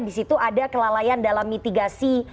di situ ada kelalaian dalam mitigasi